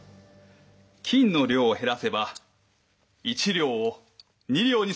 金の量を減らせば１両を２両にすることができます。